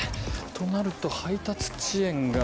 となると配達遅延が。